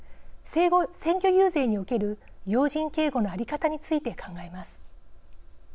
選挙遊説における要人警護の在り方について考えます。